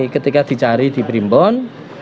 ketika dicari di berimbun